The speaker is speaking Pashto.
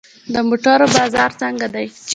د موټرو بازار څنګه دی؟